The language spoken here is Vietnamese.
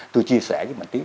tôi chia sẻ với mạnh tiến